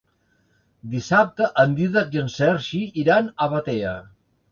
Dissabte en Dídac i en Sergi iran a Batea.